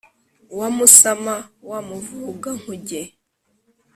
Wa musama wa muvugankuge